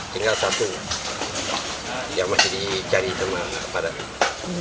tinggal satu yang masih dicari teman pada ini